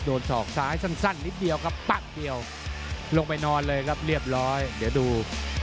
ศอกซ้ายสั้นนิดเดียวครับแป๊บเดียวลงไปนอนเลยครับเรียบร้อยเดี๋ยวดู